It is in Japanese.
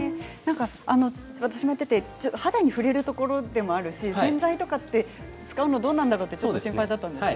私もやっていて肌に触れるところでもあるし洗剤とか使うのどうなんだろうと心配だったんですけど